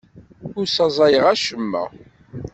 Ur ssaẓayeɣ acemma.